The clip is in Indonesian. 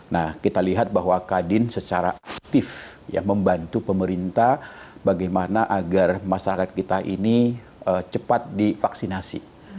nah kita lihat bahwa kadin secara aktif ya membantu pemerintah bagaimana agar masyarakat kita ini cepat divaksinasi